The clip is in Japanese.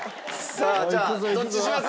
じゃあどっちにします？